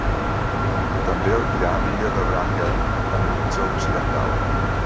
També albirà l'illa de Wrangel, en l'horitzó occidental.